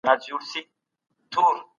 دا ماهی ډېر لوی دی.